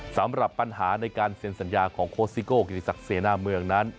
สำหรับปัญหาในการเซ็นสัญญาของโค้ชซิโก้กิติศักดิ์เสนาเมืองนั้น